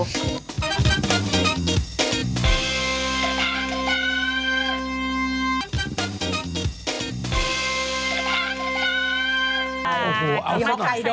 พี่คะไกโด